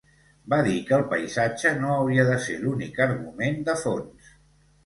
Va dir que el paisatge no hauria de ser l’únic argument de fons.